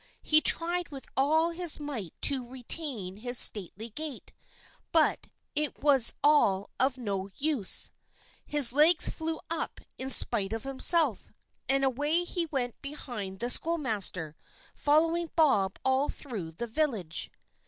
He tried with all his might to retain his stately gait; but it was all of no use, his legs flew up in spite of himself, and away he went behind the schoolmaster, following Bob all through the village.